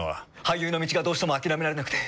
俳優の道がどうしても諦められなくて。